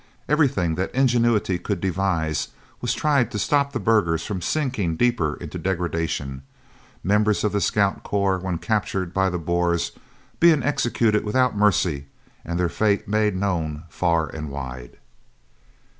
Everything that ingenuity could devise was tried to stop the burghers from sinking deeper into degradation, members of the Scouts Corps, when captured by the Boers, being executed without mercy and their fate made known far and wide.